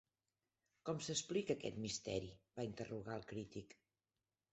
Com s'explica aquest misteri?- va interrogar el crític